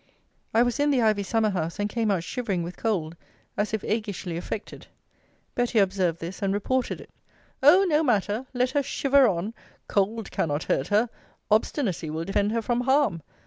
I was in the ivy summer house, and came out shivering with cold, as if aguishly affected. Betty observed this, and reported it. 'O no matter! Let her shiver on! Cold cannot hurt her. Obstinacy will defend her from harm.